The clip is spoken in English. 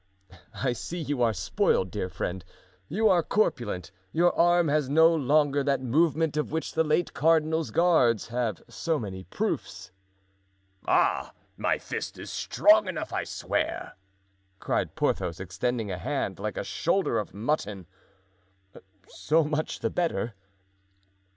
"I see you are spoiled, dear friend; you are corpulent, your arm has no longer that movement of which the late cardinal's guards have so many proofs." "Ah! my fist is strong enough I swear," cried Porthos, extending a hand like a shoulder of mutton. "So much the better."